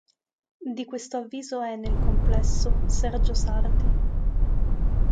Di questo avviso è, nel complesso, Sergio Sarti.